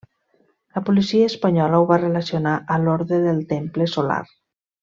La policia espanyola ho va relacionar a l'Orde del Temple Solar.